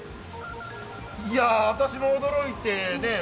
いや、私も驚いてね。